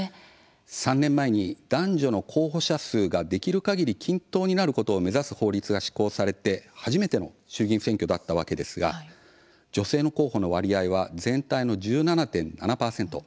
３年前に男女の候補者数ができるかぎり均等になることを目指す法律が施行されて初めての衆院選だったわけですが女性候補の割合は全体の１７．７％。